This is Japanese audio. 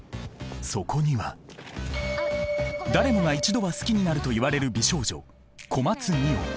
そこには誰もが一度は好きになるといわれる美少女小松澪。